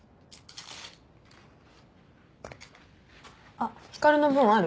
あっ光の分ある？